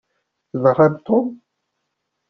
Tenɣam Tom?